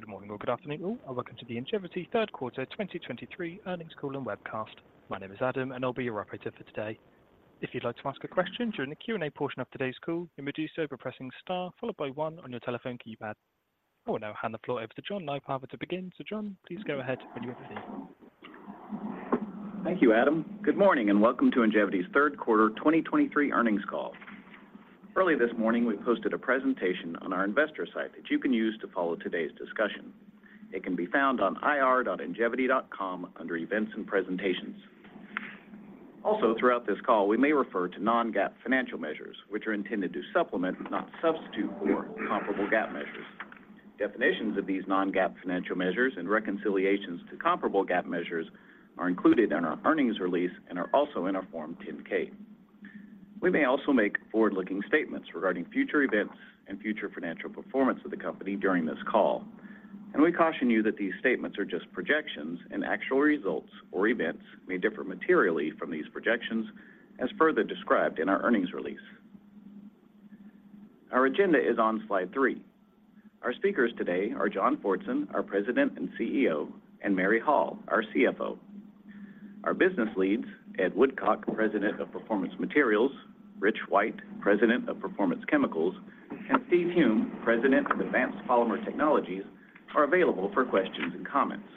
Good morning or good afternoon, all, and welcome to the Ingevity Third Quarter 2023 Earnings Call and Webcast. My name is Adam, and I'll be your operator for today. If you'd like to ask a question during the Q&A portion of today's call, you may do so by pressing Star followed by one on your telephone keypad. I will now hand the floor over to John Nypaver to begin. John, please go ahead when you are ready. Thank you, Adam. Good morning, and welcome to Ingevity's Third Quarter 2023 Earnings Call. Early this morning, we posted a presentation on our investor site that you can use to follow today's discussion. It can be found on ir.ingevity.com under Events and Presentations. Also, throughout this call, we may refer to non-GAAP financial measures, which are intended to supplement, not substitute for, comparable GAAP measures. Definitions of these non-GAAP financial measures and reconciliations to comparable GAAP measures are included in our earnings release and are also in our Form 10-K. We may also make forward-looking statements regarding future events and future financial performance of the company during this call, and we caution you that these statements are just projections and actual results or events may differ materially from these projections as further described in our earnings release. Our agenda is on slide three. Our speakers today are John Fortson, our President and CEO, and Mary Hall, our CFO. Our business leads, Ed Woodcock, President of Performance Materials, Rich White, President of Performance Chemicals, and Steve Hulme, President of Advanced Polymer Technologies, are available for questions and comments.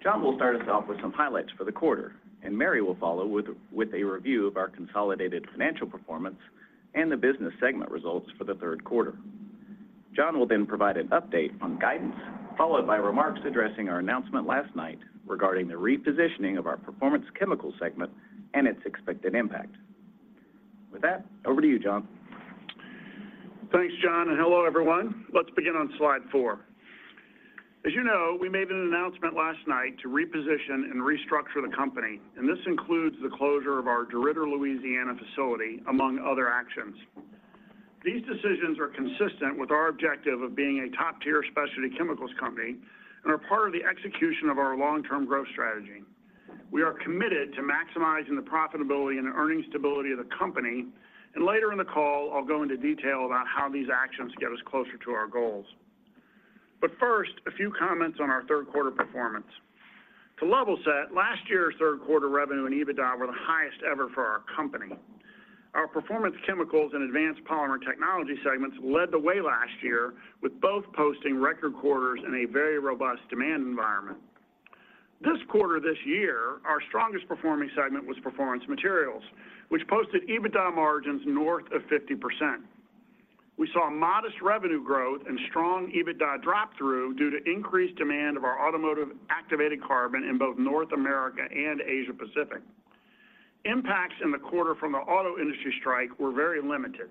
John will start us off with some highlights for the quarter, and Mary will follow with a review of our consolidated financial performance and the business segment results for the third quarter. John will then provide an update on guidance, followed by remarks addressing our announcement last night regarding the repositioning of our Performance Chemicals segment and its expected impact. With that, over to you, John. Thanks, John, and hello, everyone. Let's begin on slide 4. As you know, we made an announcement last night to reposition and restructure the company, and this includes the closure of our DeRidder, Louisiana, facility, among other actions. These decisions are consistent with our objective of being a top-tier specialty chemicals company and are part of the execution of our long-term growth strategy. We are committed to maximizing the profitability and earnings stability of the company, and later in the call, I'll go into detail about how these actions get us closer to our goals. But first, a few comments on our third quarter performance. To level set, last year's third quarter revenue and EBITDA were the highest ever for our company. Our Performance Chemicals and Advanced Polymer Technologies segments led the way last year, with both posting record quarters in a very robust demand environment. This quarter, this year, our strongest performing segment was Performance Materials, which posted EBITDA margins north of 50%. We saw modest revenue growth and strong EBITDA drop-through due to increased demand of our automotive activated carbon in both North America and Asia Pacific. Impacts in the quarter from the auto industry strike were very limited.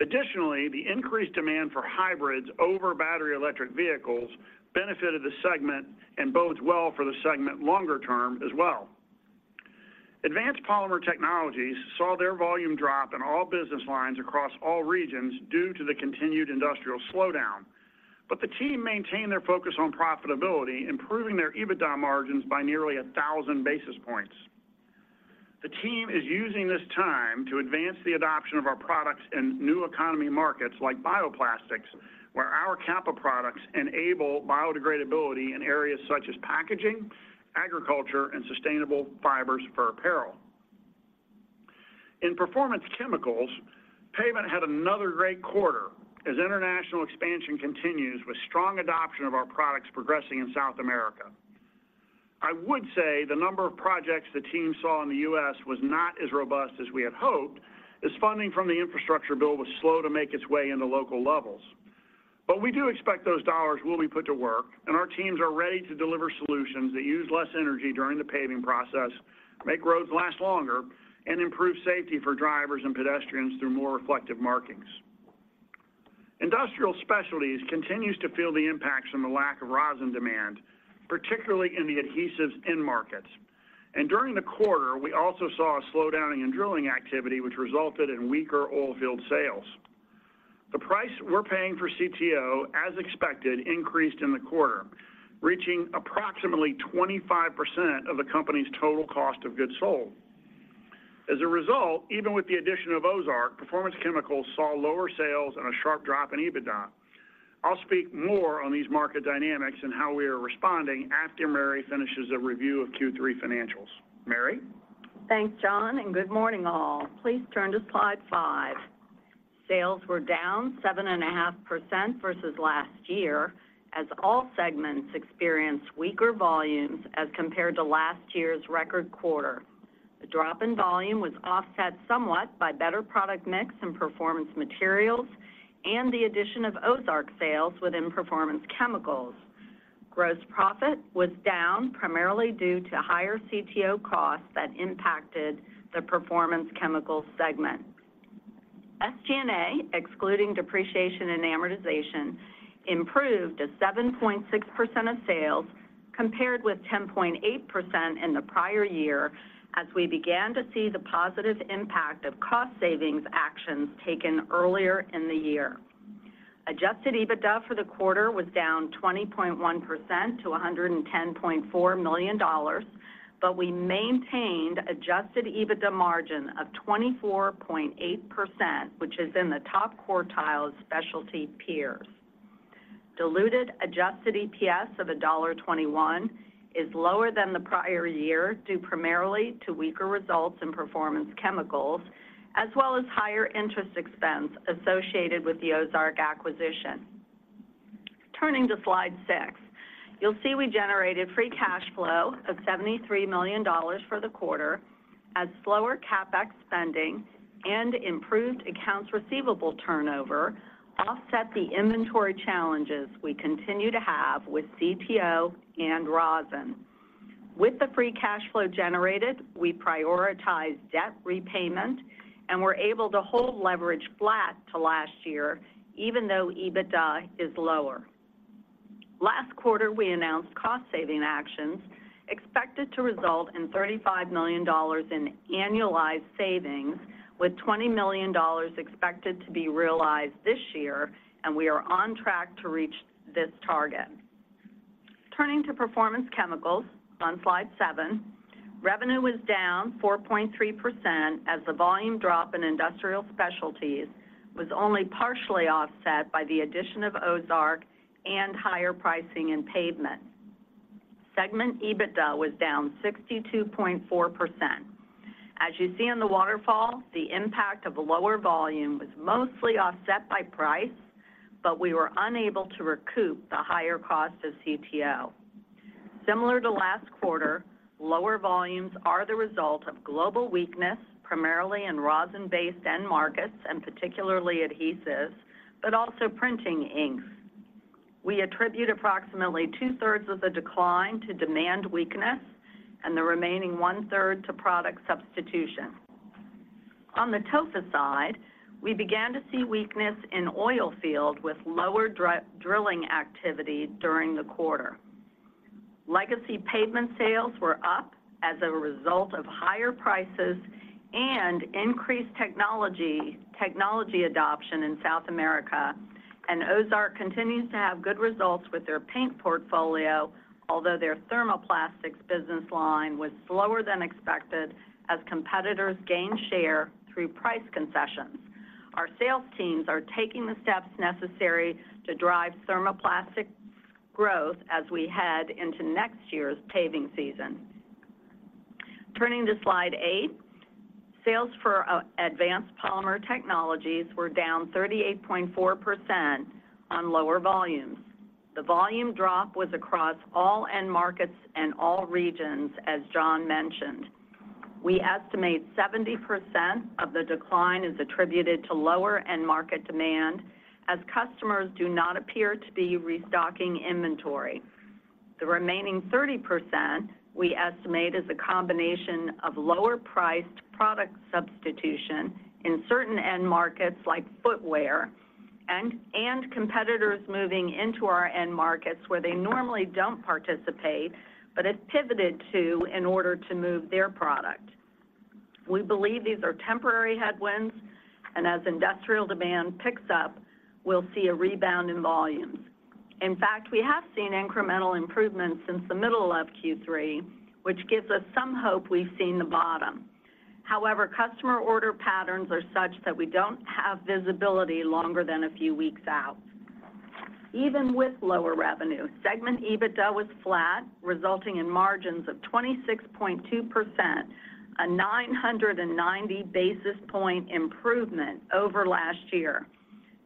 Additionally, the increased demand for hybrids over battery electric vehicles benefited the segment and bodes well for the segment longer term as well. Advanced Polymer Technologies saw their volume drop in all business lines across all regions due to the continued industrial slowdown, but the team maintained their focus on profitability, improving their EBITDA margins by nearly 1,000 basis points. The team is using this time to advance the adoption of our products in new economy markets like bioplastics, where our Capa products enable biodegradability in areas such as packaging, agriculture, and sustainable fibers for apparel. In Performance Chemicals, pavement had another great quarter as international expansion continues with strong adoption of our products progressing in South America. I would say the number of projects the team saw in the U.S. was not as robust as we had hoped, as funding from the infrastructure bill was slow to make its way into local levels. But we do expect those dollars will be put to work, and our teams are ready to deliver solutions that use less energy during the paving process, make roads last longer, and improve safety for drivers and pedestrians through more reflective markings. Industrial Specialties continues to feel the impacts from the lack of rosin demand, particularly in the adhesives end markets. During the quarter, we also saw a slowdown in drilling activity, which resulted in weaker oil field sales. The price we're paying for CTO, as expected, increased in the quarter, reaching approximately 25% of the company's total cost of goods sold. As a result, even with the addition of Ozark, Performance Chemicals saw lower sales and a sharp drop in EBITDA. I'll speak more on these market dynamics and how we are responding after Mary finishes a review of Q3 financials. Mary? Thanks, John, and good morning, all. Please turn to slide 5. Sales were down 7.5% versus last year, as all segments experienced weaker volumes as compared to last year's record quarter. The drop in volume was offset somewhat by better product mix in Performance Materials and the addition of Ozark sales within Performance Chemicals. Gross profit was down primarily due to higher CTO costs that impacted the Performance Chemicals segment. SG&A, excluding depreciation and amortization, improved to 7.6% of sales, compared with 10.8% in the prior year, as we began to see the positive impact of cost savings actions taken earlier in the year. Adjusted EBITDA for the quarter was down 20.1% to $110.4 million, but we maintained adjusted EBITDA margin of 24.8%, which is in the top quartile of specialty peers... Diluted adjusted EPS of $1.21 is lower than the prior year, due primarily to weaker results in Performance Chemicals, as well as higher interest expense associated with the Ozark acquisition. Turning to slide 6, you'll see we generated free cash flow of $73 million for the quarter as slower CapEx spending and improved accounts receivable turnover offset the inventory challenges we continue to have with CPO and rosin. With the free cash flow generated, we prioritized debt repayment and were able to hold leverage flat to last year, even though EBITDA is lower. Last quarter, we announced cost-saving actions expected to result in $35 million in annualized savings, with $20 million expected to be realized this year, and we are on track to reach this target. Turning to Performance Chemicals on slide 7, revenue was down 4.3% as the volume drop in industrial specialties was only partially offset by the addition of Ozark and higher pricing in pavement. Segment EBITDA was down 62.4%. As you see in the waterfall, the impact of lower volume was mostly offset by price, but we were unable to recoup the higher cost of CPO. Similar to last quarter, lower volumes are the result of global weakness, primarily in rosin-based end markets and particularly adhesives, but also printing inks. We attribute approximately two-thirds of the decline to demand weakness and the remaining one-third to product substitution. On the TOFA side, we began to see weakness in oil field with lower drilling activity during the quarter. Legacy pavement sales were up as a result of higher prices and increased technology, technology adoption in South America, and Ozark continues to have good results with their paint portfolio, although their thermoplastics business line was slower than expected as competitors gained share through price concessions. Our sales teams are taking the steps necessary to drive thermoplastic growth as we head into next year's paving season. Turning to slide 8, sales for Advanced Polymer Technologies were down 38.4% on lower volumes. The volume drop was across all end markets and all regions, as John mentioned. We estimate 70% of the decline is attributed to lower end market demand, as customers do not appear to be restocking inventory. The remaining 30%, we estimate, is a combination of lower-priced product substitution in certain end markets like footwear and competitors moving into our end markets where they normally don't participate, but it's pivoted to in order to move their product. We believe these are temporary headwinds, and as industrial demand picks up, we'll see a rebound in volumes. In fact, we have seen incremental improvements since the middle of Q3, which gives us some hope we've seen the bottom. However, customer order patterns are such that we don't have visibility longer than a few weeks out. Even with lower revenue, segment EBITDA was flat, resulting in margins of 26.2%, a 990 basis point improvement over last year.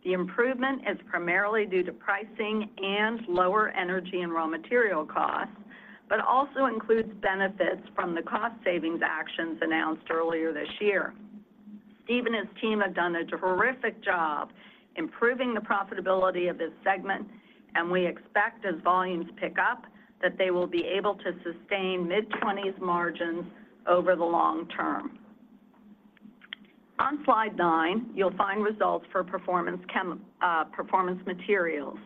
The improvement is primarily due to pricing and lower energy and raw material costs, but also includes benefits from the cost savings actions announced earlier this year. Steve and his team have done a terrific job improving the profitability of this segment, and we expect, as volumes pick up, that they will be able to sustain mid-twenties margins over the long term. On slide 9, you'll find results for Performance Materials.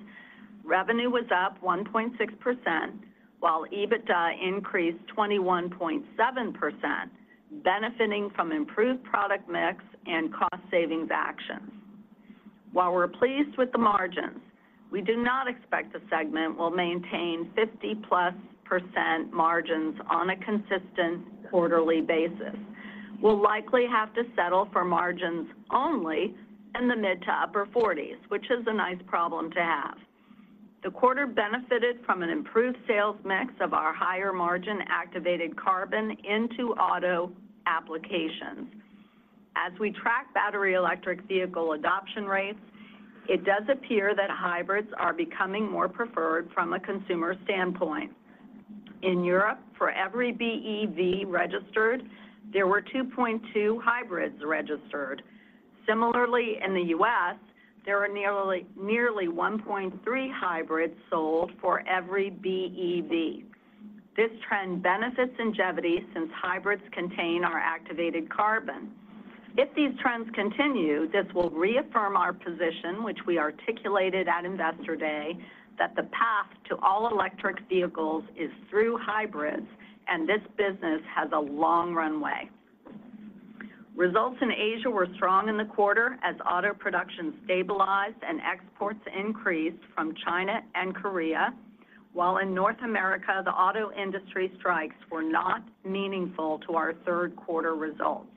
Revenue was up 1.6%, while EBITDA increased 21.7%, benefiting from improved product mix and cost savings actions. While we're pleased with the margins, we do not expect the segment will maintain 50%+ margins on a consistent quarterly basis. We'll likely have to settle for margins only in the mid- to upper-forties, which is a nice problem to have. The quarter benefited from an improved sales mix of our higher-margin activated carbon into auto applications. As we track battery electric vehicle adoption rates, it does appear that hybrids are becoming more preferred from a consumer standpoint. In Europe, for every BEV registered, there were 2.2 hybrids registered. Similarly, in the U.S., there are nearly, nearly 1.3 hybrids sold for every BEV. This trend benefits Ingevity since hybrids contain our activated carbon. If these trends continue, this will reaffirm our position, which we articulated at Investor Day, that the path to all-electric vehicles is through hybrids, and this business has a long runway. Results in Asia were strong in the quarter as auto production stabilized and exports increased from China and Korea, while in North America, the auto industry strikes were not meaningful to our third quarter results.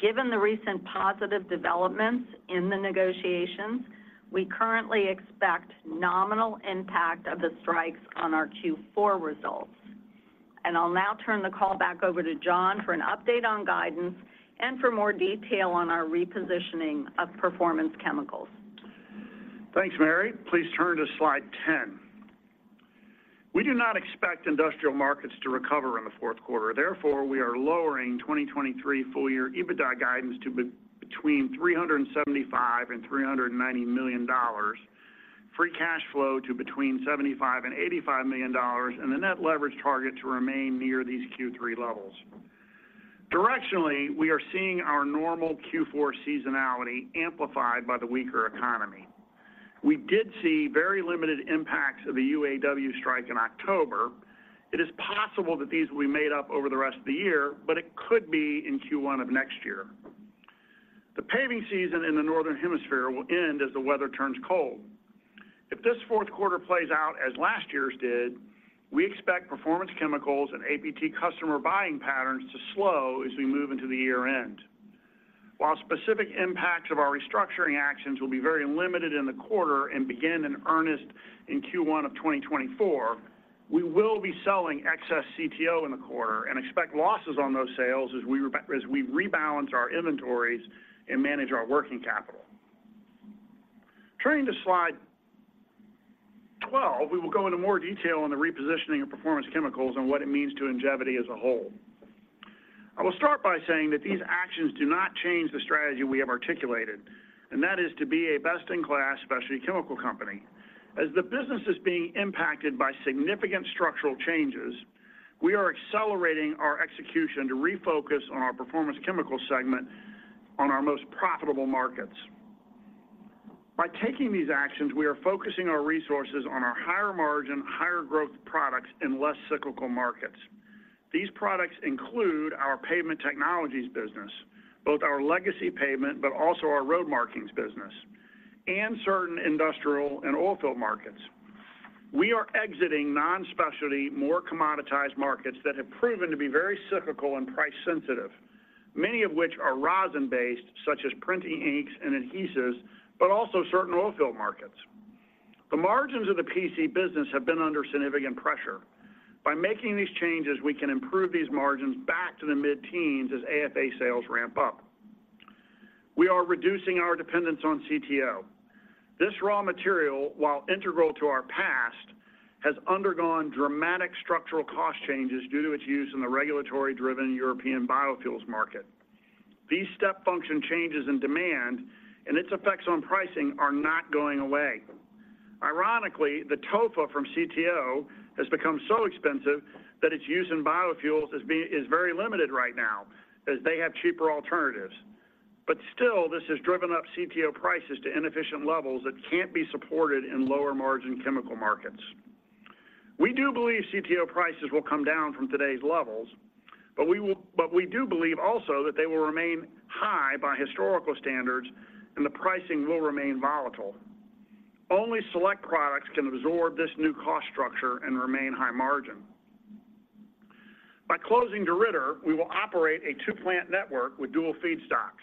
Given the recent positive developments in the negotiations, we currently expect nominal impact of the strikes on our Q4 results. I'll now turn the call back over to John for an update on guidance and for more detail on our repositioning of Performance Chemicals. Thanks, Mary. Please turn to slide 10. We do not expect industrial markets to recover in the fourth quarter. Therefore, we are lowering 2023 full-year EBITDA guidance to be between $375-$390 million, free cash flow to between $75-$85 million, and the net leverage target to remain near these Q3 levels. Directionally, we are seeing our normal Q4 seasonality amplified by the weaker economy. We did see very limited impacts of the UAW strike in October. It is possible that these will be made up over the rest of the year, but it could be in Q1 of next year. The paving season in the Northern Hemisphere will end as the weather turns cold. If this fourth quarter plays out as last year's did, we expect Performance Chemicals and APT customer buying patterns to slow as we move into the year-end. While specific impacts of our restructuring actions will be very limited in the quarter and begin in earnest in Q1 of 2024, we will be selling excess CTO in the quarter and expect losses on those sales as we rebalance our inventories and manage our working capital. Turning to slide 12, we will go into more detail on the repositioning of Performance Chemicals and what it means to Ingevity as a whole. I will start by saying that these actions do not change the strategy we have articulated, and that is to be a best-in-class specialty chemical company. As the business is being impacted by significant structural changes, we are accelerating our execution to refocus on our Performance Chemicals segment on our most profitable markets. By taking these actions, we are focusing our resources on our higher-margin, higher-growth products in less cyclical markets. These products include our pavement technologies business, both our legacy pavement, but also our road markings business, and certain industrial and oilfield markets. We are exiting non-specialty, more commoditized markets that have proven to be very cyclical and price-sensitive, many of which are rosin-based, such as printing inks and adhesives, but also certain oilfield markets. The margins of the PC business have been under significant pressure. By making these changes, we can improve these margins back to the mid-teens as AFA sales ramp up. We are reducing our dependence on CTO. This raw material, while integral to our past, has undergone dramatic structural cost changes due to its use in the regulatory-driven European biofuels market. These step function changes in demand and its effects on pricing are not going away. Ironically, the TOFA from CTO has become so expensive that its use in biofuels is very limited right now, as they have cheaper alternatives. But still, this has driven up CTO prices to inefficient levels that can't be supported in lower-margin chemical markets. We do believe CTO prices will come down from today's levels, but we do believe also that they will remain high by historical standards and the pricing will remain volatile. Only select products can absorb this new cost structure and remain high margin. By closing DeRidder, we will operate a two-plant network with dual feedstocks.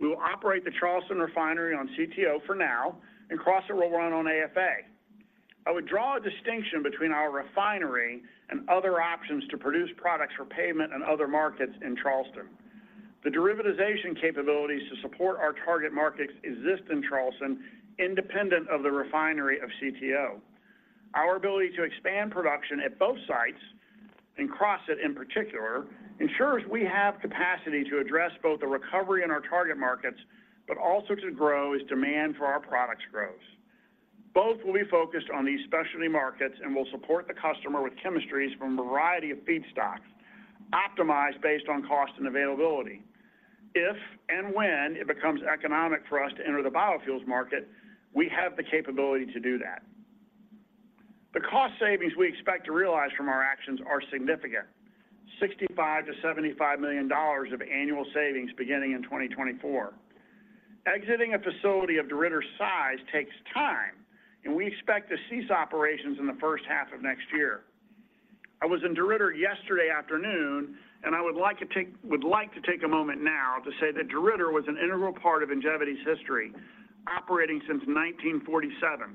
We will operate the Charleston refinery on CTO for now, and Crossett will run on AFA. I would draw a distinction between our refinery and other options to produce products for pavement and other markets in Charleston. The derivatization capabilities to support our target markets exist in Charleston, independent of the refinery of CTO. Our ability to expand production at both sites, and Crossett in particular, ensures we have capacity to address both the recovery in our target markets, but also to grow as demand for our products grows. Both will be focused on these specialty markets and will support the customer with chemistries from a variety of feedstocks, optimized based on cost and availability. If and when it becomes economic for us to enter the biofuels market, we have the capability to do that. The cost savings we expect to realize from our actions are significant: $65 million-$75 million of annual savings beginning in 2024. Exiting a facility of DeRidder's size takes time, and we expect to cease operations in the first half of next year. I was in DeRidder yesterday afternoon, and I would like to take a moment now to say that DeRidder was an integral part of Ingevity's history, operating since 1947.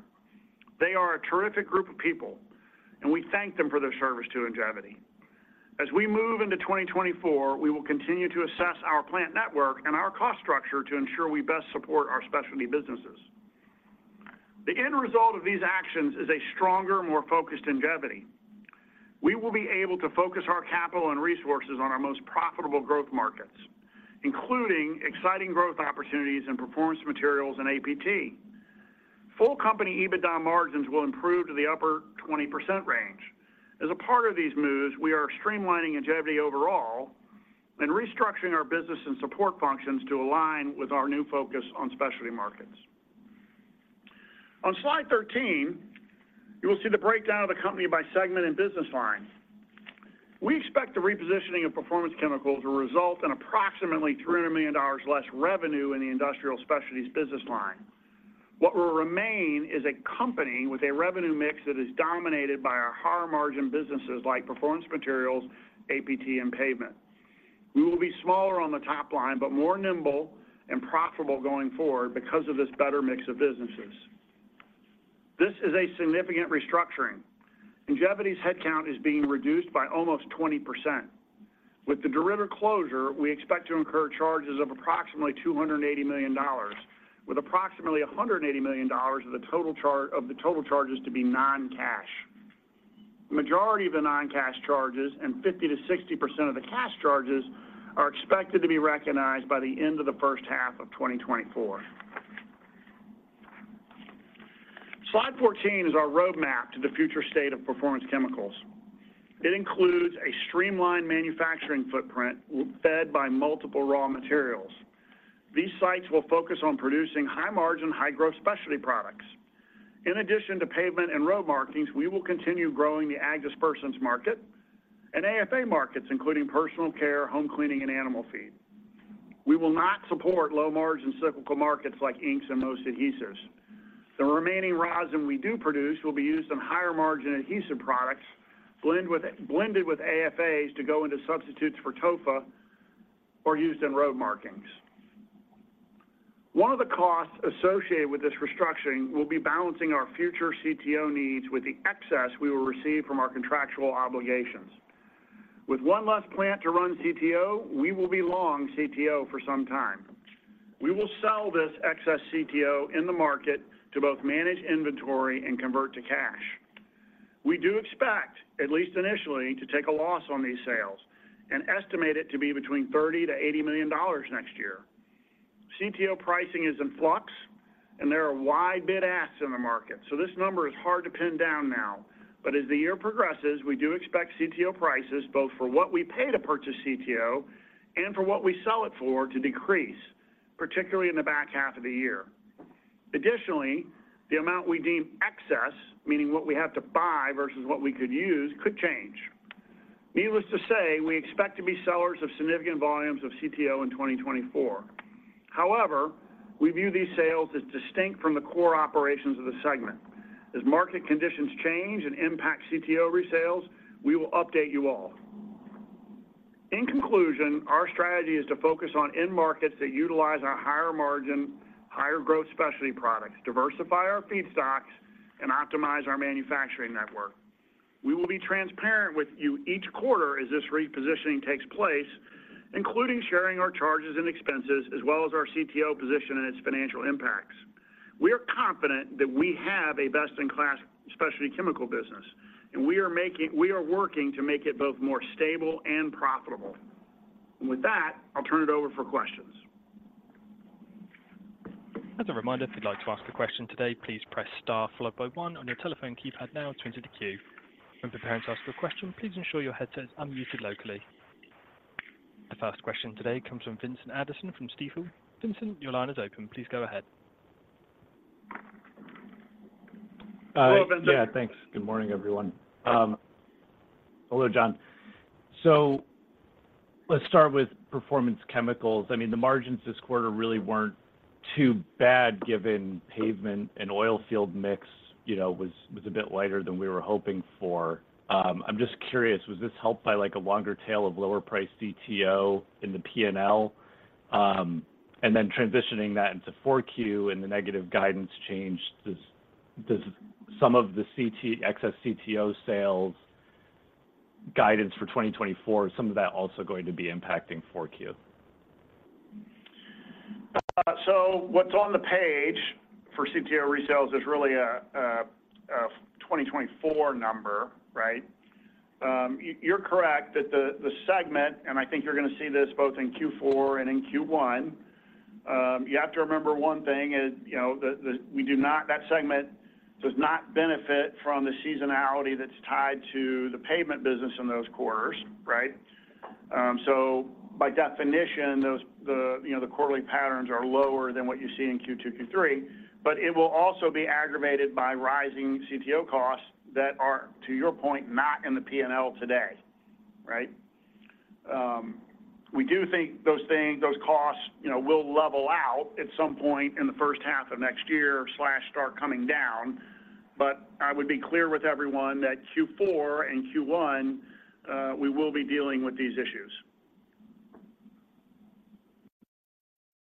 They are a terrific group of people, and we thank them for their service to Ingevity. As we move into 2024, we will continue to assess our plant network and our cost structure to ensure we best support our specialty businesses. The end result of these actions is a stronger, more focused Ingevity. We will be able to focus our capital and resources on our most profitable growth markets, including exciting growth opportunities in Performance Materials and APT. Full company EBITDA margins will improve to the upper 20% range. As a part of these moves, we are streamlining Ingevity overall and restructuring our business and support functions to align with our new focus on specialty markets. On slide 13, you will see the breakdown of the company by segment and business line. We expect the repositioning of Performance Chemicals will result in approximately $300 million less revenue in the industrial specialties business line... What will remain is a company with a revenue mix that is dominated by our higher-margin businesses like Performance Materials, APT, and Pavement. We will be smaller on the top line, but more nimble and profitable going forward because of this better mix of businesses. This is a significant restructuring. Ingevity's headcount is being reduced by almost 20%. With the DeRidder closure, we expect to incur charges of approximately $280 million, with approximately $180 million of the total charges to be non-cash. Majority of the non-cash charges and 50%-60% of the cash charges are expected to be recognized by the end of the first half of 2024. Slide 14 is our roadmap to the future state of Performance Chemicals. It includes a streamlined manufacturing footprint, fed by multiple raw materials. These sites will focus on producing high-margin, high-growth specialty products. In addition to pavement and road markings, we will continue growing the ag dispersants market and AFA markets, including personal care, home cleaning, and animal feed. We will not support low-margin cyclical markets like inks and most adhesives. The remaining rosin we do produce will be used in higher-margin adhesive products, blended with AFAs to go into substitutes for TOFA or used in road markings. One of the costs associated with this restructuring will be balancing our future CTO needs with the excess we will receive from our contractual obligations. With one less plant to run CTO, we will be long CTO for some time. We will sell this excess CTO in the market to both manage inventory and convert to cash. We do expect, at least initially, to take a loss on these sales and estimate it to be between $30 million-$80 million next year. CTO pricing is in flux, and there are wide bid asks in the market, so this number is hard to pin down now. But as the year progresses, we do expect CTO prices, both for what we pay to purchase CTO and for what we sell it for, to decrease, particularly in the back half of the year. Additionally, the amount we deem excess, meaning what we have to buy versus what we could use, could change. Needless to say, we expect to be sellers of significant volumes of CTO in 2024. However, we view these sales as distinct from the core operations of the segment. As market conditions change and impact CTO resales, we will update you all. In conclusion, our strategy is to focus on end markets that utilize our higher-margin, higher-growth specialty products, diversify our feedstocks, and optimize our manufacturing network. We will be transparent with you each quarter as this repositioning takes place, including sharing our charges and expenses, as well as our CTO position and its financial impacts. We are confident that we have a best-in-class specialty chemical business, and we are working to make it both more stable and profitable. With that, I'll turn it over for questions. As a reminder, if you'd like to ask a question today, please press star followed by one on your telephone keypad now to enter the queue. When preparing to ask a question, please ensure your headset is unmuted locally. The first question today comes from Vincent Anderson from Stifel. Vincent, your line is open. Please go ahead. Hi. Yeah, thanks. Good morning, everyone. Hello, John. So let's start with Performance Chemicals. I mean, the margins this quarter really weren't too bad, given pavement and oil field mix, you know, was a bit lighter than we were hoping for. I'm just curious, was this helped by, like, a longer tail of lower priced CTO in the P&L, and then transitioning that into Q4 and the negative guidance change, does some of the CTO excess CTO sales guidance for 2024, some of that also going to be impacting Q4? So what's on the page for CTO resales is really a 2024 number, right? You're correct that the segment, and I think you're going to see this both in Q4 and in Q1, you have to remember one thing is, you know, that segment does not benefit from the seasonality that's tied to the pavement business in those quarters, right? So by definition, those, you know, the quarterly patterns are lower than what you see in Q2, Q3, but it will also be aggravated by rising CTO costs that are, to your point, not in the P&L today, right? We do think those things, those costs, you know, will level out at some point in the first half of next year, slash start coming down. But I would be clear with everyone that Q4 and Q1, we will be dealing with these issues.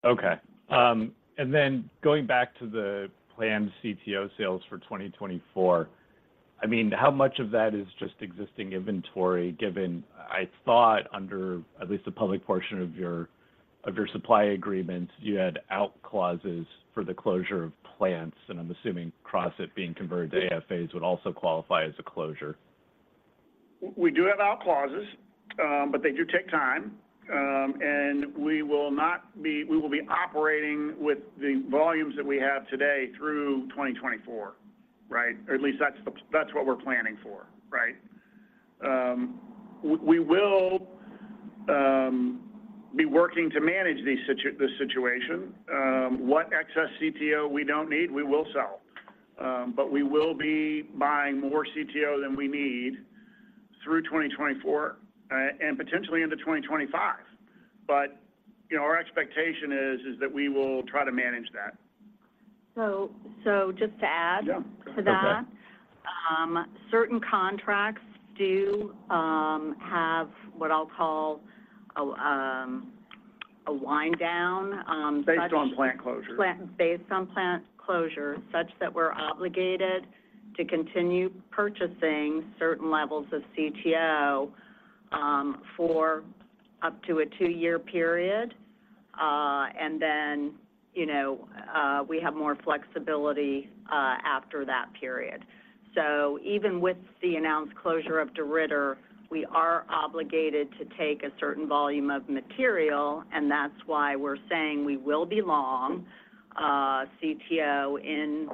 Okay. And then going back to the planned CTO sales for 2024, I mean, how much of that is just existing inventory, given I thought under at least the public portion of your, of your supply agreement, you had out clauses for the closure of plants, and I'm assuming Crossett being converted to AFAs would also qualify as a closure? We do have out clauses, but they do take time, and we will not be, we will be operating with the volumes that we have today through 2024, right? Or at least that's what we're planning for, right? We will be working to manage this situation. What excess CTO we don't need, we will sell... but we will be buying more CTO than we need through 2024, and potentially into 2025. But, you know, our expectation is that we will try to manage that. So, just to add- Yeah. to that. Okay. Certain contracts do have what I'll call a wind down, such- Based on plant closure. Based on plant closure, such that we're obligated to continue purchasing certain levels of CTO for up to a two-year period. And then, you know, we have more flexibility after that period. So even with the announced closure of DeRidder, we are obligated to take a certain volume of material, and that's why we're saying we will be long CTO in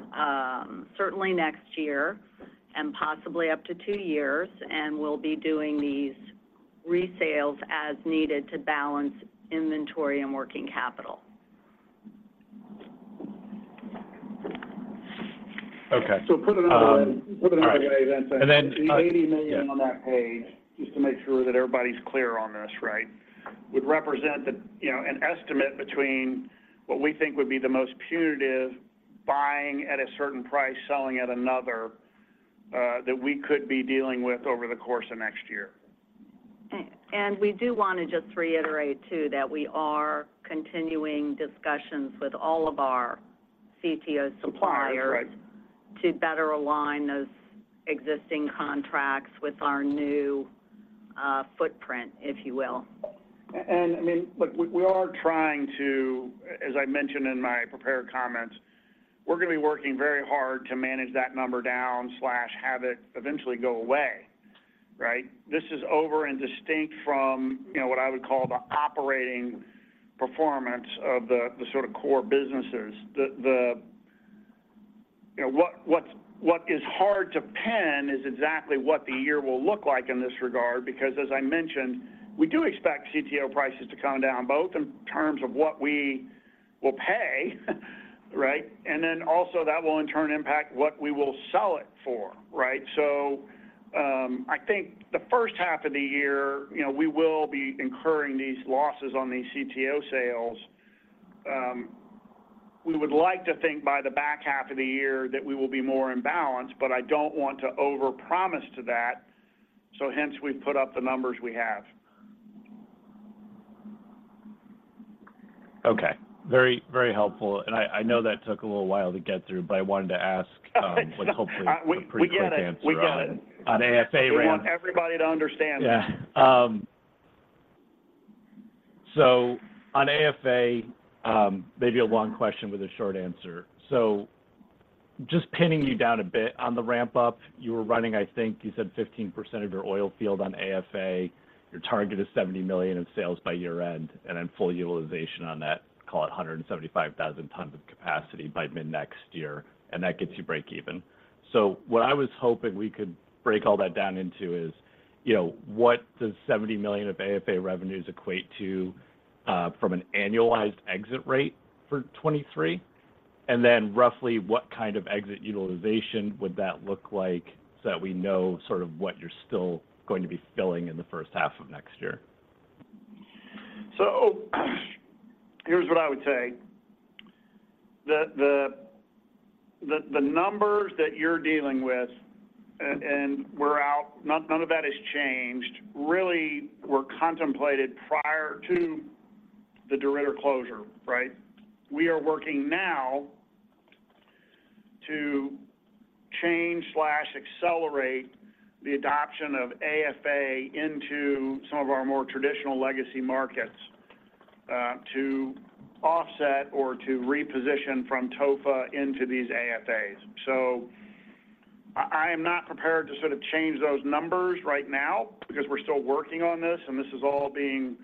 certainly next year and possibly up to two years. And we'll be doing these resales as needed to balance inventory and working capital. Okay. Put it another way- All right. Put it another way, then. And then, The $80 million on that page, just to make sure that everybody's clear on this, right? Would represent the, you know, an estimate between what we think would be the most punitive, buying at a certain price, selling at another, that we could be dealing with over the course of next year. We do want to just reiterate too, that we are continuing discussions with all of our CTO suppliers- Suppliers, right... to better align those existing contracts with our new, footprint, if you will. I mean, look, we are trying to, as I mentioned in my prepared comments, we're going to be working very hard to manage that number down, have it eventually go away, right? This is over and distinct from, you know, what I would call the operating performance of the sort of core businesses. You know, what's hard to pin is exactly what the year will look like in this regard. Because as I mentioned, we do expect CTO prices to come down, both in terms of what we will pay, right? And then also that will in turn impact what we will sell it for, right? So, I think the first half of the year, you know, we will be incurring these losses on these CTO sales. We would like to think by the back half of the year that we will be more in balance, but I don't want to overpromise to that, so hence we've put up the numbers we have. Okay. Very, very helpful, and I, I know that took a little while to get through, but I wanted to ask, what hopefully- We get it. A pretty quick answer on AFA ramp. We want everybody to understand it. Yeah. So on AFA, maybe a long question with a short answer. So just pinning you down a bit on the ramp-up, you were running, I think you said 15% of your oil field on AFA. Your target is $70 million in sales by year-end, and then full utilization on that, call it 175,000 tons of capacity by mid-next year, and that gets you break even. So what I was hoping we could break all that down into is, you know, what does $70 million of AFA revenues equate to, from an annualized exit rate for 2023? And then roughly, what kind of exit utilization would that look like, so that we know sort of what you're still going to be filling in the first half of next year? So here's what I would say. The numbers that you're dealing with, and none of that has changed, really were contemplated prior to the DeRidder closure, right? We are working now to change/accelerate the adoption of AFA into some of our more traditional legacy markets, to offset or to reposition from TOFA into these AFAs. So I am not prepared to sort of change those numbers right now because we're still working on this, and this is all being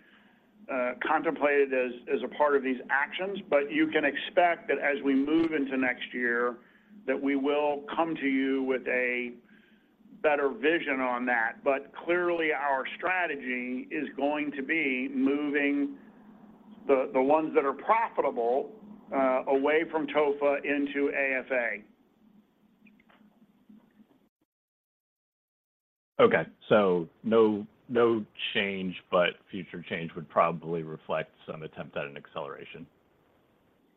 contemplated as a part of these actions. But you can expect that as we move into next year, that we will come to you with a better vision on that. But clearly, our strategy is going to be moving the ones that are profitable away from TOFA into AFA. Okay. So no, no change, but future change would probably reflect some attempt at an acceleration.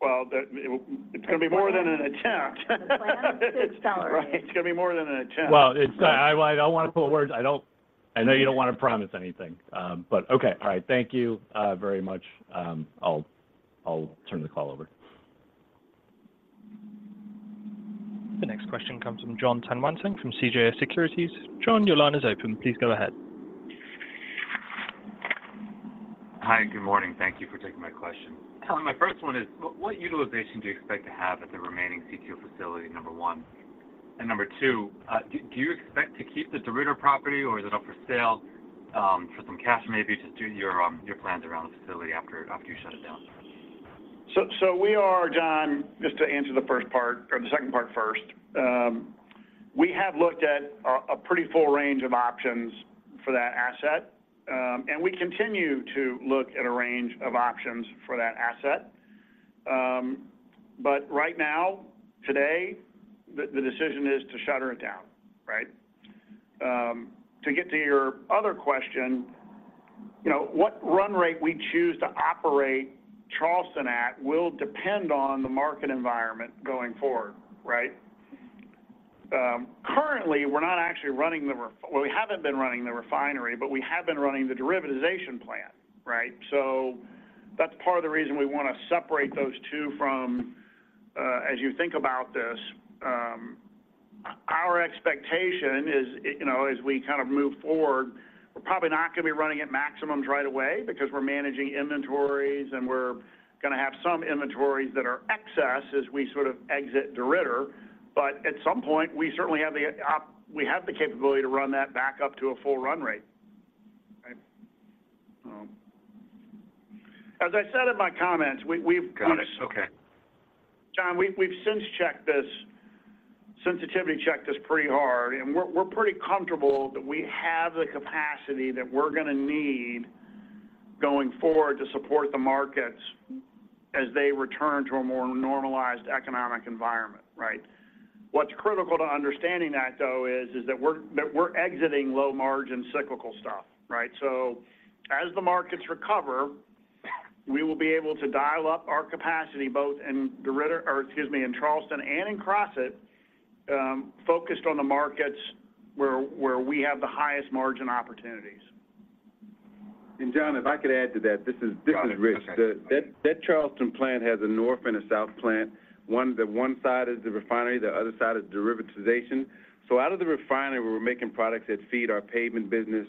Well, it's going to be more than an attempt. The plan is to accelerate. Right? It's going to be more than an attempt. Well, it's, I don't want to put words... I know you don't want to promise anything. But okay. All right. Thank you, very much. I'll turn the call over. The next question comes from John Tanwanteng from CJS Securities. John, your line is open. Please go ahead. Hi, good morning. Thank you for taking my question. My first one is, what utilization do you expect to have at the remaining CTO facility, number one? And number two, do you expect to keep the DeRidder property, or is it up for sale, for some cash maybe, to do your plans around the facility after you shut it down? So, so we are, John, just to answer the first part or the second part first. We have looked at a pretty full range of options for that asset, and we continue to look at a range of options for that asset. But right now, today, the decision is to shutter it down, right? To get to your other question, you know, what run rate we choose to operate Charleston at will depend on the market environment going forward, right? Currently, we're not actually running the refinery, but we have been running the derivatization plant, right? So that's part of the reason we wanna separate those two from, as you think about this, our expectation is, you know, as we kind of move forward, we're probably not gonna be running at maximums right away because we're managing inventories, and we're gonna have some inventories that are excess as we sort of exit DeRidder. But at some point, we certainly have the capability to run that back up to a full run rate, right? As I said in my comments, we, we've- Got it. Okay. John, we've since checked this, sensitivity checked this pretty hard, and we're pretty comfortable that we have the capacity that we're gonna need going forward to support the markets as they return to a more normalized economic environment, right? What's critical to understanding that, though, is that we're exiting low-margin, cyclical stuff, right? So as the markets recover, we will be able to dial up our capacity both in DeRidder, or excuse me, in Charleston and in Crossett, focused on the markets where we have the highest margin opportunities. John, if I could add to that, this is- Got it. This is Rich. Okay. That Charleston plant has a north and a south plant. One side is the refinery, the other side is derivatization. So out of the refinery, we're making products that feed our pavement business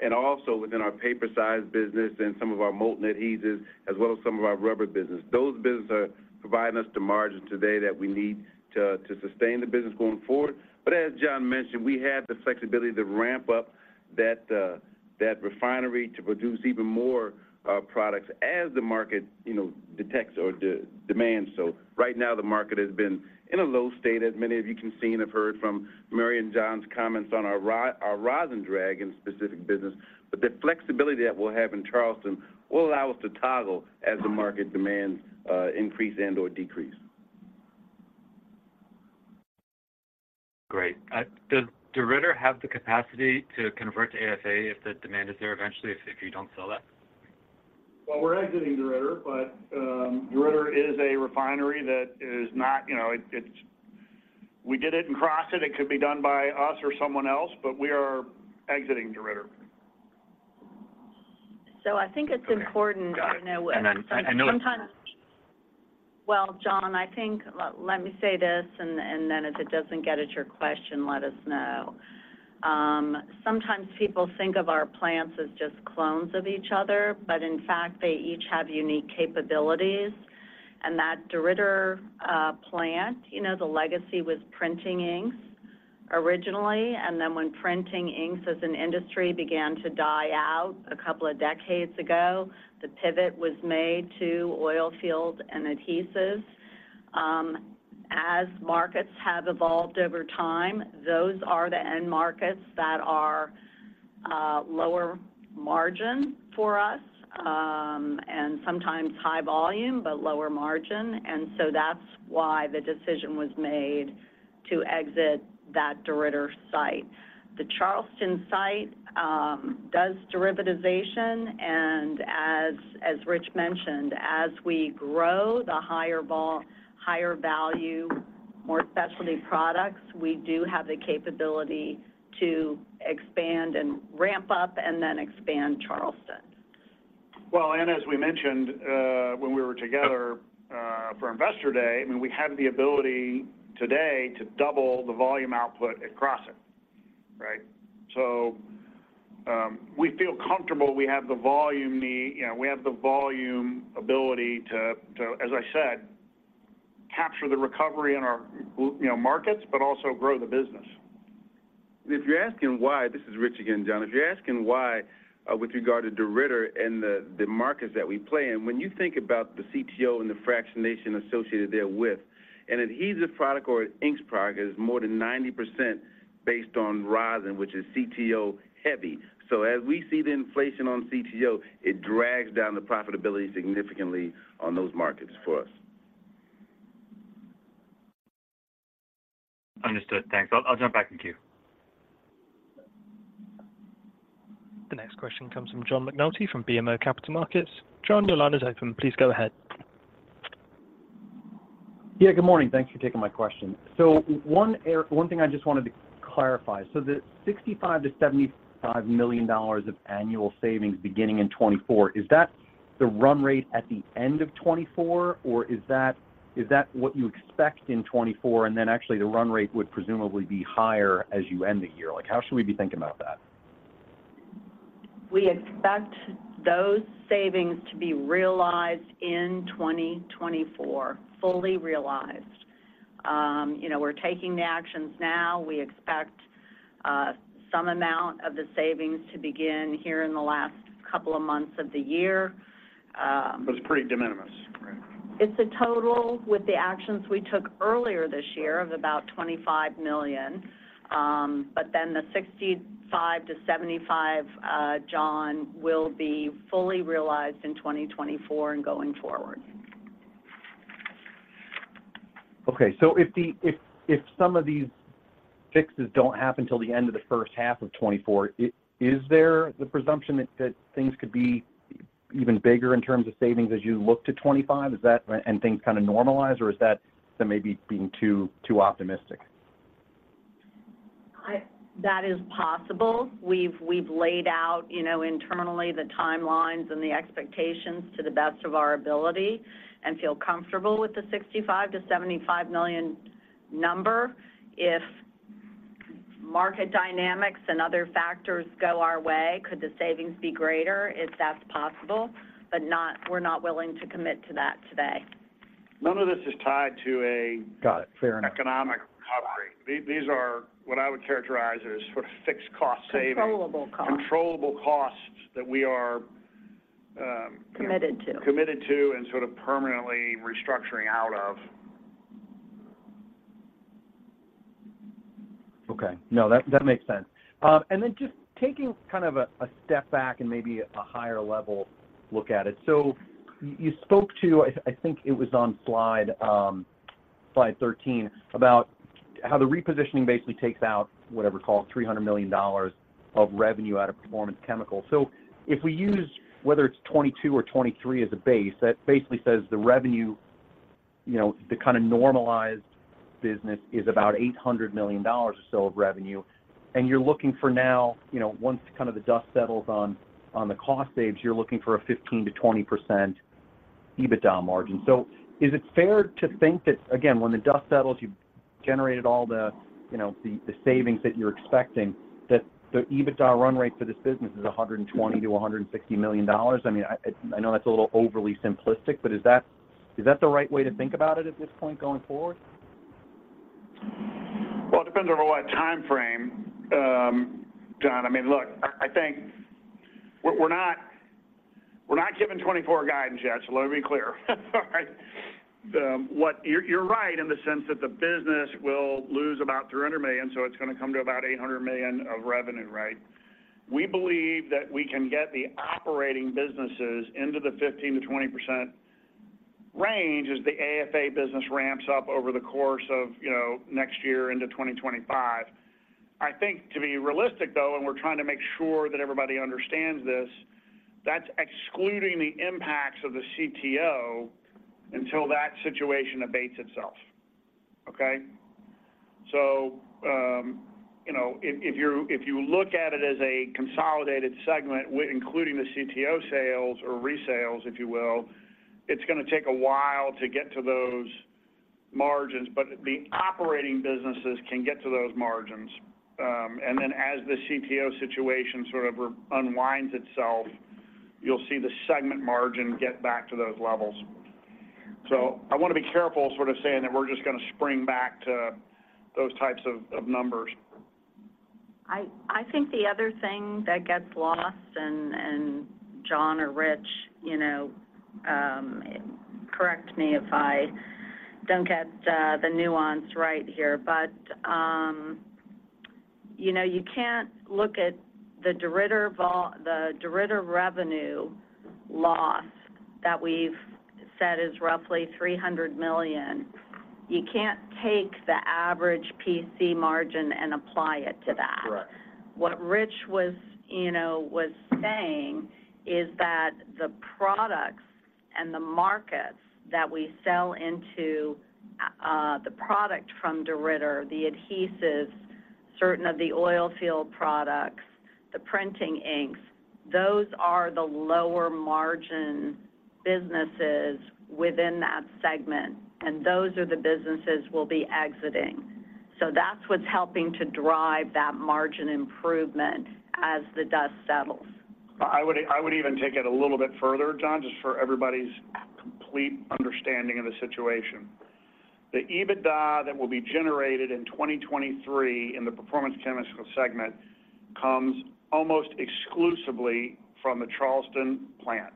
and also within our paper size business and some of our molten adhesives, as well as some of our rubber business. Those businesses are providing us the margin today that we need to sustain the business going forward. But as John mentioned, we have the flexibility to ramp up that refinery to produce even more products as the market, you know, demands. So right now, the market has been in a low state, as many of you can see and have heard from Mary and John's comments on our rosin-derived specific business. But the flexibility that we'll have in Charleston will allow us to toggle as the market demands, increase and/or decrease. Great. Does DeRidder have the capacity to convert to CTO if the demand is there eventually, if, if you don't sell that? Well, we're exiting DeRidder, but DeRidder is a refinery that is not... You know, it, it's- we did it in Crossett. It could be done by us or someone else, but we are exiting DeRidder. I think it's important- Okay, got it. You know, and sometimes- And I know it- Well, John, I think, let me say this, and then if it doesn't get at your question, let us know. Sometimes people think of our plants as just clones of each other, but in fact, they each have unique capabilities. And that DeRidder plant, you know, the legacy was printing inks originally, and then when printing inks as an industry began to die out a couple of decades ago, the pivot was made to oil field and adhesives. As markets have evolved over time, those are the end markets that are lower margin for us, and sometimes high volume, but lower margin, and so that's why the decision was made to exit that DeRidder site. The Charleston site does derivatization, and as Rich mentioned, as we grow, the higher value, more specialty products, we do have the capability to expand and ramp up and then expand Charleston. Well, and as we mentioned, when we were together, for Investor Day, I mean, we have the ability today to double the volume output at Crossett, right? So, we feel comfortable we have the volume need, you know, we have the volume ability to, as I said, capture the recovery in our, you know, markets, but also grow the business. If you're asking why, this is Rich again, John. If you're asking why, with regard to DeRidder and the markets that we play in, when you think about the CTO and the fractionation associated therewith, an adhesive product or an inks product is more than 90% based on rosin, which is CTO heavy. So as we see the inflation on CTO, it drags down the profitability significantly on those markets for us. Understood. Thanks. I'll jump back in queue. The next question comes from John McNulty from BMO Capital Markets. John, your line is open. Please go ahead. Yeah, good morning. Thanks for taking my question. So one thing I just wanted to clarify, so the $65 million-$75 million of annual savings beginning in 2024, is that the run rate at the end of 2024, or is that, is that what you expect in 2024, and then actually the run rate would presumably be higher as you end the year? Like, how should we be thinking about that? We expect those savings to be realized in 2024, fully realized. You know, we're taking the actions now. Some amount of the savings to begin here in the last couple of months of the year. But it's pretty de minimis, right? It's a total with the actions we took earlier this year of about $25 million. But then the $65-$75 million, John, will be fully realized in 2024 and going forward. Okay. So if some of these fixes don't happen till the end of the first half of 2024, is there the presumption that things could be even bigger in terms of savings as you look to 2025? Is that, and things kind of normalize, or is that may be being too optimistic? That is possible. We've laid out, you know, internally, the timelines and the expectations to the best of our ability and feel comfortable with the $65 million-$75 million number. If market dynamics and other factors go our way, could the savings be greater? If that's possible, we're not willing to commit to that today. None of this is tied to a- Got it. Fair enough.... economic recovery. These are what I would characterize as sort of fixed cost savings. Controllable costs. Controllable costs that we are, Committed to... committed to and sort of permanently restructuring out of. Okay. No, that makes sense. And then just taking kind of a step back and maybe a higher level look at it. So you spoke to, I think it was on slide 13, about how the repositioning basically takes out, whatever, call it $300 million of revenue out of Performance Chemicals. So if we use, whether it's 2022 or 2023 as a base, that basically says the revenue, you know, the kind of normalized business, is about $800 million or so of revenue. And you're looking for now, you know, once kind of the dust settles on the cost saves, you're looking for a 15%-20% EBITDA margin. So is it fair to think that, again, when the dust settles, you've generated all the, you know, the savings that you're expecting, that the EBITDA run rate for this business is $100 million-$160 million? I mean, I know that's a little overly simplistic, but is that the right way to think about it at this point going forward? Well, it depends on what timeframe, John. I mean, look, I, I think we're, we're not, we're not giving 2024 guidance yet, so let me be clear. All right? You're, you're right in the sense that the business will lose about $300 million, so it's gonna come to about $800 million of revenue, right? We believe that we can get the operating businesses into the 15%-20% range as the AFA business ramps up over the course of, you know, next year into 2025. I think to be realistic, though, and we're trying to make sure that everybody understands this, that's excluding the impacts of the CTO until that situation abates itself, okay? So, you know, if you look at it as a consolidated segment, with including the CTO sales or resales, if you will, it's gonna take a while to get to those margins, but the operating businesses can get to those margins. And then, as the CTO situation sort of unwinds itself, you'll see the segment margin get back to those levels. So I wanna be careful sort of saying that we're just gonna spring back to those types of numbers. I think the other thing that gets lost, and John or Rich, you know, correct me if I don't get the nuance right here. But you know, you can't look at the DeRidder revenue loss that we've said is roughly $300 million. You can't take the average PC margin and apply it to that. Correct. What Rich was, you know, was saying is that the products and the markets that we sell into, the product from DeRidder, the adhesives, certain of the oil field products, the printing inks, those are the lower margin businesses within that segment, and those are the businesses we'll be exiting. So that's what's helping to drive that margin improvement as the dust settles. I would, I would even take it a little bit further, John, just for everybody's complete understanding of the situation. The EBITDA that will be generated in 2023 in the Performance Chemicals segment comes almost exclusively from the Charleston plant.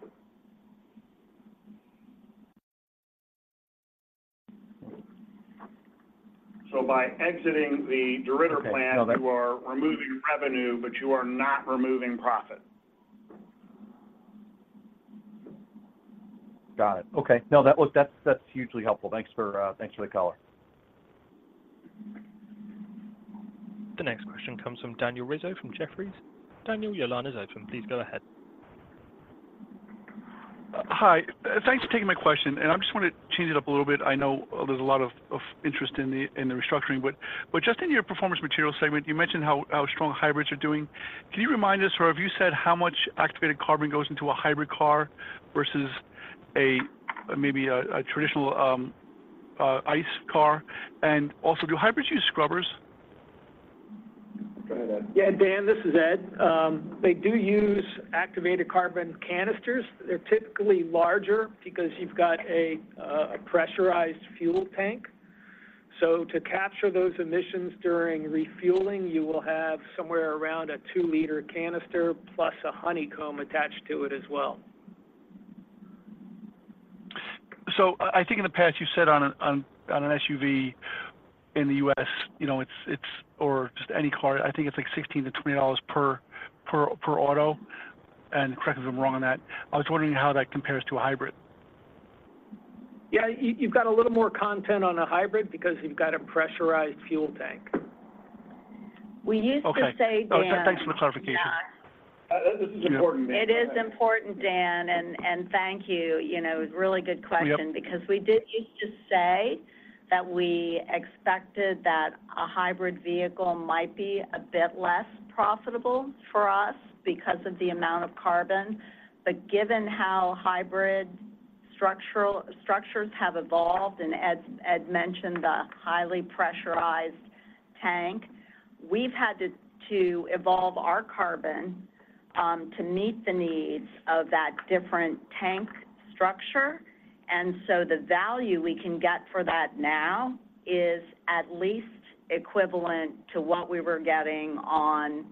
So by exiting the DeRidder plant- Okay. You are removing revenue, but you are not removing profit. Got it. Okay. No, that was, that's, that's hugely helpful. Thanks for, thanks for the color. The next question comes from Daniel Rizzo from Jefferies. Daniel, your line is open. Please go ahead. Hi. Thanks for taking my question, and I just want to change it up a little bit. I know, there's a lot of interest in the restructuring, but just in your Performance Materials segment, you mentioned how strong hybrids are doing. Can you remind us, or have you said how much activated carbon goes into a hybrid car versus a, maybe a traditional ICE car? And also, do hybrids use scrubbers? Go ahead, Ed. Yeah, Dan, this is Ed. They do use activated carbon canisters. They're typically larger because you've got a pressurized fuel tank.... So to capture those emissions during refueling, you will have somewhere around a 2-liter canister plus a honeycomb attached to it as well. So I think in the past, you said on an SUV in the U.S., you know, it's or just any car, I think it's like $16-$20 per auto, and correct me if I'm wrong on that. I was wondering how that compares to a hybrid? Yeah, you've got a little more content on a hybrid because you've got a pressurized fuel tank. We used to say, Dan- Okay. Oh, thanks for the clarification. Yeah. This is important, Dan. It is important, Dan, and thank you. You know, it was a really good question- Yep... because we did used to say that we expected that a hybrid vehicle might be a bit less profitable for us because of the amount of carbon. But given how hybrid structures have evolved, and as Ed mentioned, the highly pressurized tank, we've had to evolve our carbon to meet the needs of that different tank structure. And so the value we can get for that now is at least equivalent to what we were getting on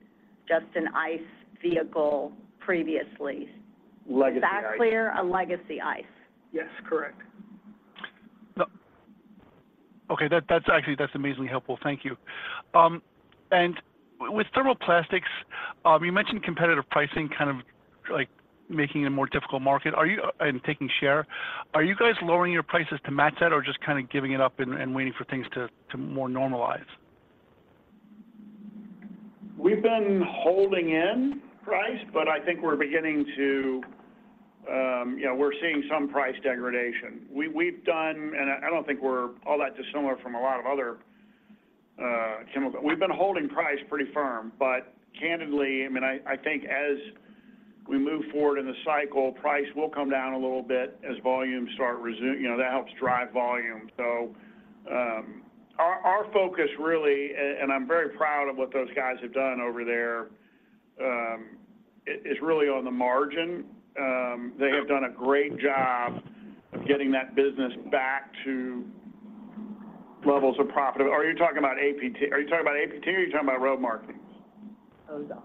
just an ICE vehicle previously. Legacy ICE. Is that clear? A legacy ICE. Yes, correct. Okay, that's actually, that's amazingly helpful. Thank you. With thermoplastics, you mentioned competitive pricing, kind of like making it a more difficult market. Are you... and taking share. Are you guys lowering your prices to match that or just kind of giving it up and waiting for things to more normalize? We've been holding in price, but I think we're beginning to. You know, we're seeing some price degradation. I don't think we're all that dissimilar from a lot of other chemical. We've been holding price pretty firm, but candidly, I mean, I think as we move forward in the cycle, price will come down a little bit as volumes start, you know, that helps drive volume. So, our focus really, and I'm very proud of what those guys have done over there, it is really on the margin. They have done a great job of getting that business back to levels of profit. Are you talking about APT? Are you talking about APT, or are you talking about road markings? Ozark.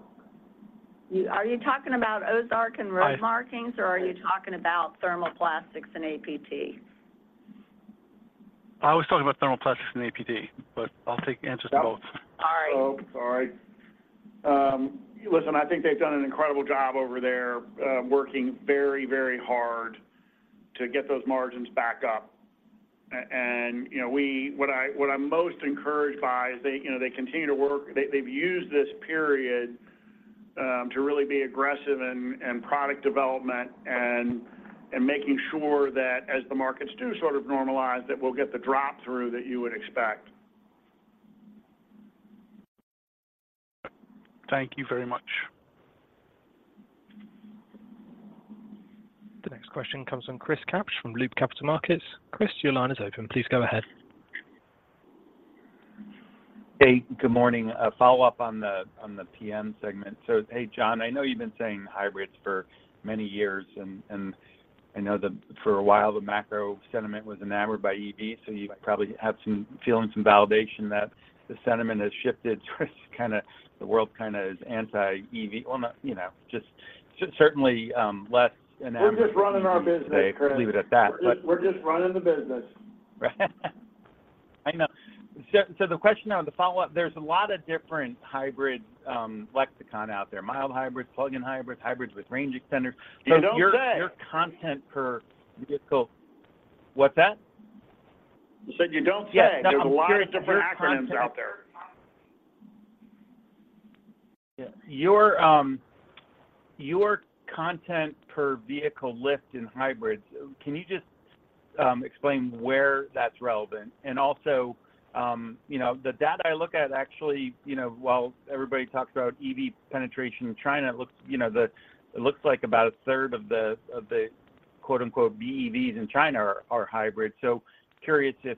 Are you talking about Ozark and road markings- I-... or are you talking about thermoplastics and APT? I was talking about thermoplastics and APT, but I'll take answers to both. All right. Oh, all right. Listen, I think they've done an incredible job over there, working very, very hard to get those margins back up. And, you know, what I'm most encouraged by is they, you know, they continue to work. They've used this period to really be aggressive in product development and making sure that as the markets do sort of normalize, that we'll get the drop-through that you would expect. Thank you very much. The next question comes from Chris Kapsch from Loop Capital Markets. Chris, your line is open. Please go ahead. Hey, good morning. A follow-up on the PM segment. So, hey, John, I know you've been saying hybrids for many years, and I know that for a while, the macro sentiment was enamored by EV. So you probably have some feeling some validation that the sentiment has shifted towards kind of the world kind of is anti-EV. Well, not, you know, just certainly less enamored- We're just running our business, Chris.... leave it at that, but- We're just running the business. Right. I know. So, so the question on the follow-up, there's a lot of different hybrid lexicon out there, mild hybrids, plug-in hybrids, hybrids with range extenders. You don't say. Your content per vehicle... What's that? I said, you don't say. Yes, no, I'm curious- There's a lot of different acronyms out there. Yeah. Your, your content per vehicle lift in hybrids, can you just explain where that's relevant? And also, you know, the data I look at actually, you know, while everybody talks about EV penetration in China, it looks, you know, it looks like about a third of the, of the, quote-unquote, "BEVs" in China are hybrid. So curious if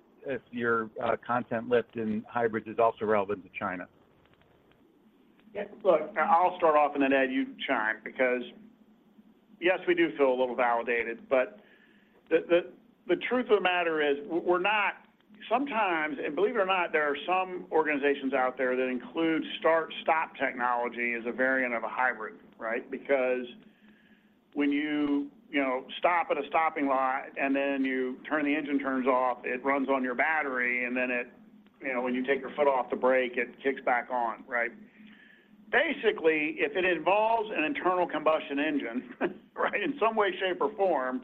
your content lift in hybrids is also relevant to China. Yeah, look, I'll start off, and then, Ed, you chime because yes, we do feel a little validated, but the truth of the matter is we're not... Sometimes, and believe it or not, there are some organizations out there that include start/stop technology as a variant of a hybrid, right? Because when you, you know, stop at a stopping light and then you turn, the engine turns off, it runs on your battery, and then it, you know, when you take your foot off the brake, it kicks back on, right? Basically, if it involves an internal combustion engine, right, in some way, shape, or form,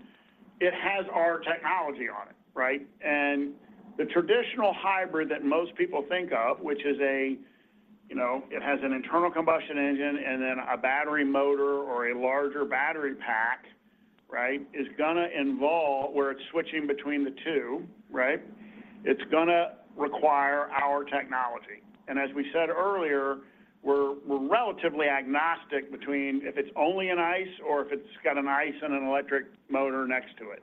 it has our technology on it, right? And the traditional hybrid that most people think of, which is a, you know, it has an internal combustion engine and then a battery motor or a larger battery pack, right, is gonna involve where it's switching between the two, right? It's gonna require our technology. And as we said earlier, we're relatively agnostic between if it's only an ICE or if it's got an ICE and an electric motor next to it.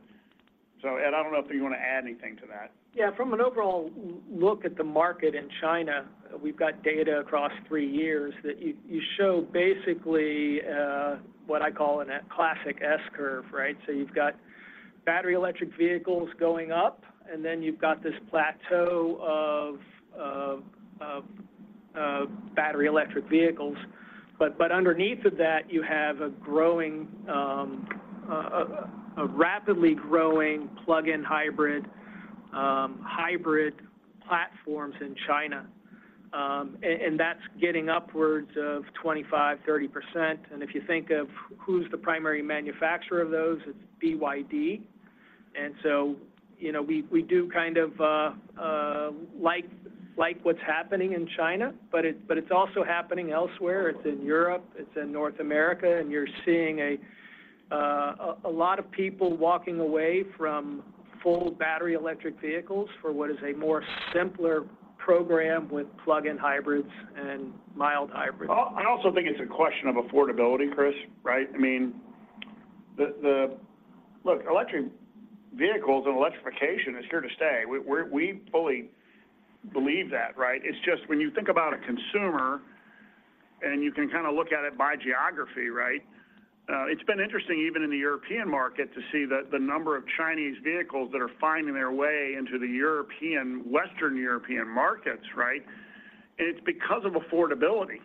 So Ed, I don't know if you want to add anything to that. Yeah. From an overall look at the market in China, we've got data across three years that you, you show basically what I call a classic S curve, right? So you've got battery electric vehicles going up, and then you've got this plateau of of-... battery electric vehicles. But underneath of that, you have a growing, a rapidly growing plug-in hybrid, hybrid platforms in China. And that's getting upwards of 25-30%. And if you think of who's the primary manufacturer of those, it's BYD. And so, you know, we do kind of, like what's happening in China, but it's-- but it's also happening elsewhere. It's in Europe, it's in North America, and you're seeing a lot of people walking away from full battery electric vehicles for what is a more simpler program with plug-in hybrids and mild hybrids. Well, I also think it's a question of affordability, Chris, right? I mean, look, electric vehicles and electrification is here to stay. We fully believe that, right? It's just when you think about a consumer, and you can kind of look at it by geography, right? It's been interesting even in the European market to see the number of Chinese vehicles that are finding their way into the European, Western European markets, right? And it's because of affordability,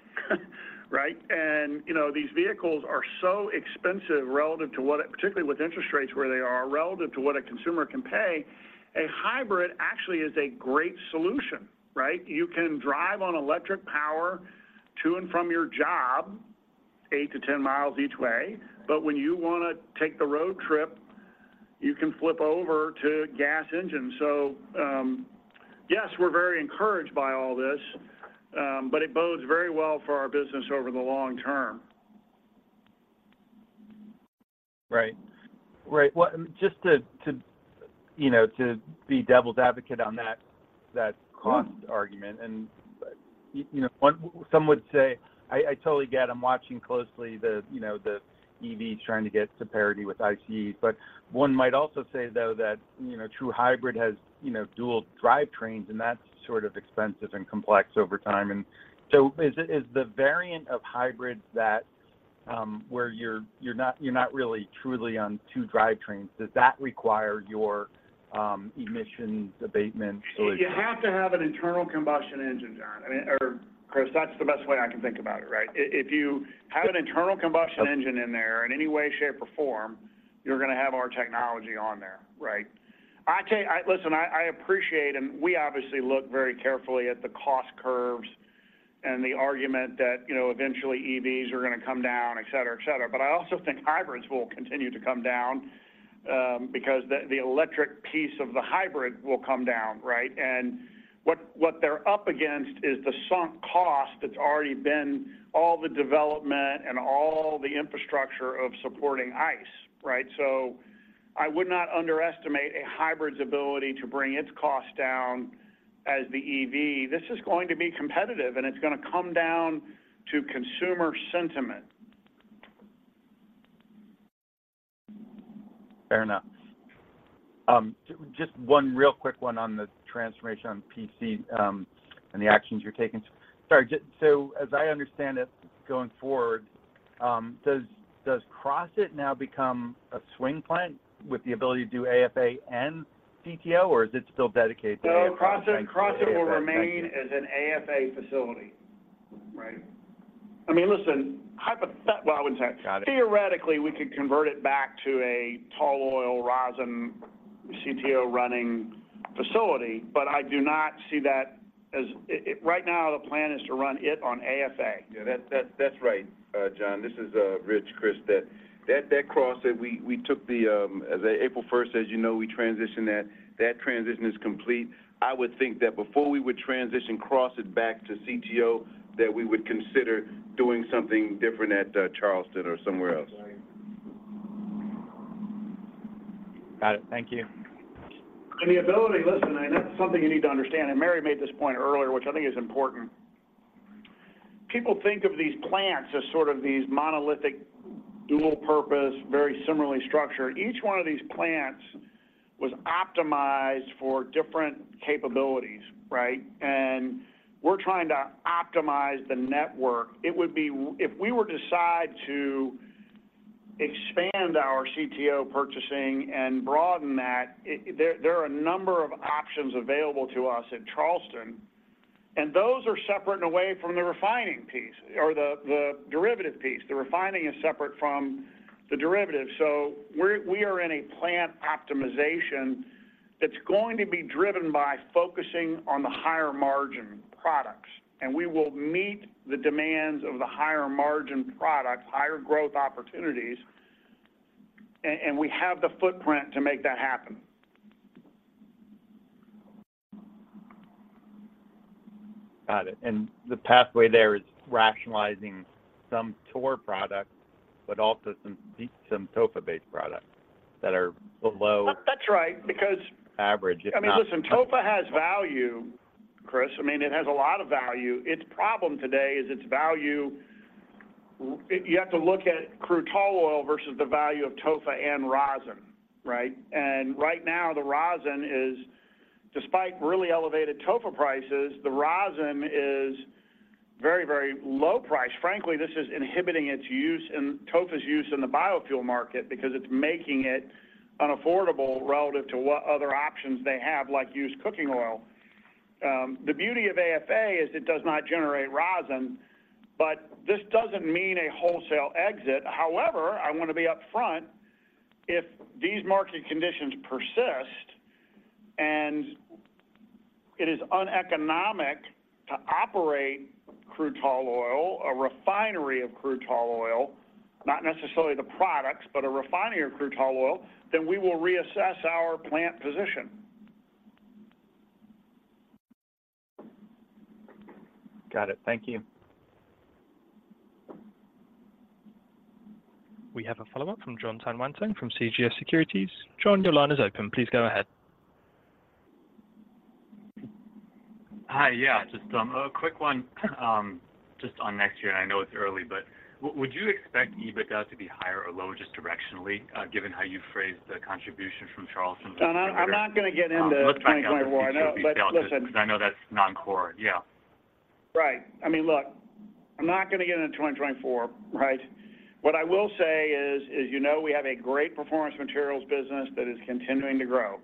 right? And, you know, these vehicles are so expensive relative to what a-- particularly with interest rates where they are, relative to what a consumer can pay, a hybrid actually is a great solution, right? You can drive on electric power to and from your job, 8-10 miles each way, but when you wanna take the road trip, you can flip over to gas engine. So, yes, we're very encouraged by all this, but it bodes very well for our business over the long term. Right. Right. Well, just to, you know, to be devil's advocate on that cost argument- Mm. Some would say, I totally get it. I'm watching closely the, you know, the EVs trying to get to parity with ICE. But one might also say, though, that, you know, true hybrid has, you know, dual drivetrains, and that's sort of expensive and complex over time. And so is the variant of hybrids that where you're not really truly on two drivetrains, does that require your emissions abatement solution? You have to have an internal combustion engine, John. I mean, or Chris, that's the best way I can think about it, right? If you have an internal combustion- Yep... engine in there in any way, shape, or form, you're gonna have our technology on there, right? I tell you, listen, I appreciate, and we obviously look very carefully at the cost curves and the argument that, you know, eventually EVs are gonna come down, et cetera, et cetera. But I also think hybrids will continue to come down, because the electric piece of the hybrid will come down, right? And what they're up against is the sunk cost that's already been all the development and all the infrastructure of supporting ICE, right? So I would not underestimate a hybrid's ability to bring its cost down as the EV. This is going to be competitive, and it's gonna come down to consumer sentiment. Fair enough. Just one real quick one on the transformation on PC, and the actions you're taking. Sorry, so as I understand it, going forward, does Crossett now become a swing plant with the ability to do AFA and CTO, or is it still dedicated to AFA? No, Crossett, Crossett will remain- Thank you... as an AFA facility. Right? I mean, listen, well, I wouldn't say- Got it. Theoretically, we could convert it back to a tall oil, rosin, CTO-running facility, but I do not see that as... It, right now, the plan is to run it on AFA. Yeah, that's right, John. This is Rich. Chris, that Crossett, we took the April first, as you know, we transitioned that. That transition is complete. I would think that before we would transition Crossett back to CTO, that we would consider doing something different at Charleston or somewhere else. Absolutely. Got it. Thank you. And the ability... Listen, and that's something you need to understand, and Mary made this point earlier, which I think is important. People think of these plants as sort of these monolithic, dual-purpose, very similarly structured. Each one of these plants was optimized for different capabilities, right? And we're trying to optimize the network. It would be-- If we were to decide to expand our CTO purchasing and broaden that, there are a number of options available to us at Charleston, and those are separate and away from the refining piece or the derivative piece. The refining is separate from the derivative. So we are in a plant optimization that's going to be driven by focusing on the higher margin products, and we will meet the demands of the higher margin products, higher growth opportunities, and we have the footprint to make that happen. Got it. The pathway there is rationalizing some TOR products, but also some TOFA-based products that are below- That's right, because- average, if not I mean, listen, TOFA has value, Chris. I mean, it has a lot of value. Its problem today is its value... you have to look at crude tall oil versus the value of TOFA and rosin, right? And right now, the rosin is, despite really elevated TOFA prices, the rosin is very, very low price. Frankly, this is inhibiting its use in, TOFA's use in the biofuel market because it's making it unaffordable relative to what other options they have, like used cooking oil.... The beauty of AFA is it does not generate rosin, but this doesn't mean a wholesale exit. However, I want to be upfront, if these market conditions persist and it is uneconomic to operate crude tall oil, a refinery of crude tall oil, not necessarily the products, but a refinery of crude tall oil, then we will reassess our plant position. Got it. Thank you. We have a follow-up from John Tanwanteng from CJS Securities. John, your line is open. Please go ahead. Hi. Yeah, just, a quick one, just on next year, and I know it's early, but would you expect EBITDA to be higher or lower, just directionally, given how you phrased the contribution from Charleston? John, I'm not gonna get into 2024. I know, but listen. Because I know that's non-core. Yeah. Right. I mean, look, I'm not gonna get into 2024, right? What I will say is, as you know, we have a great Performance Materials business that is continuing to grow.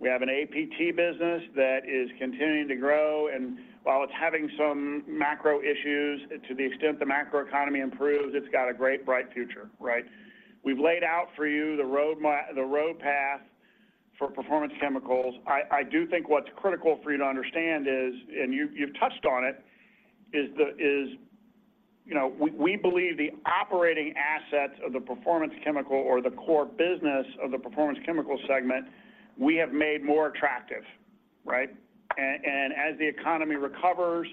We have an APT business that is continuing to grow, and while it's having some macro issues, to the extent the macroeconomy improves, it's got a great, bright future, right? We've laid out for you the roadmap for Performance Chemicals. I do think what's critical for you to understand is, and you've touched on it, is... You know, we believe the operating assets of the Performance Chemicals or the core business of the Performance Chemicals segment, we have made more attractive, right? And as the economy recovers,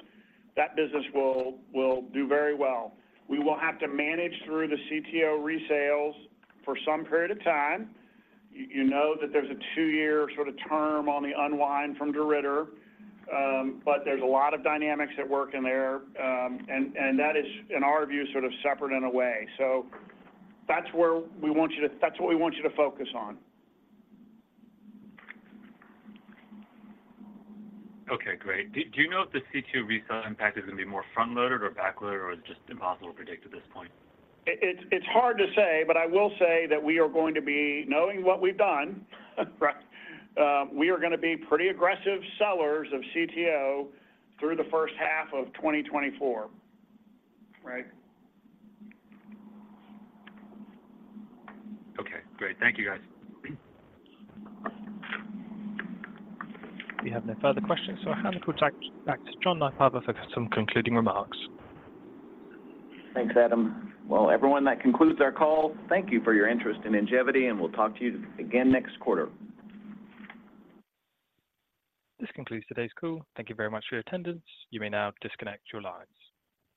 that business will do very well. We will have to manage through the CTO resales for some period of time. You know that there's a two-year sort of term on the unwind from DeRidder, but there's a lot of dynamics at work in there, and that is, in our view, sort of separate in a way. So that's where we want you to, that's what we want you to focus on. Okay, great. Do you know if the CTO resale impact is gonna be more front-loaded or back-loaded, or is it just impossible to predict at this point? It's hard to say, but I will say that we are going to be, knowing what we've done, right? We are gonna be pretty aggressive sellers of CTO through the first half of 2024. Right? Okay, great. Thank you, guys. We have no further questions, so I'll hand it back to John Fortson for some concluding remarks. Thanks, Adam. Well, everyone, that concludes our call. Thank you for your interest in Ingevity, and we'll talk to you again next quarter. This concludes today's call. Thank you very much for your attendance. You may now disconnect your lines.